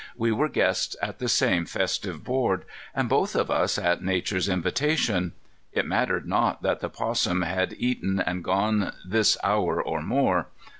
We were guests at the same festive board, and both of us at Nature's invitation. It mattered not that the 'possum had eaten and gone this hour or more.